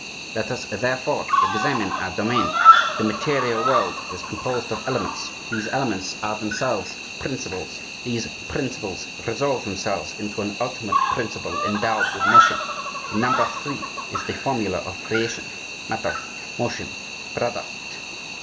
Let us therefore examine our domain. The material world is composed of elements; these elements are themselves principles; these principles resolve themselves into an ultimate principle, endowed with motion. The number THREE is the formula of creation: Matter, Motion, Product."